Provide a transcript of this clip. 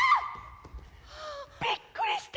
びっくりした。